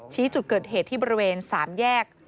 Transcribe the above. ชี้จุดเกิดเหตุที่บริเวณ๓แยก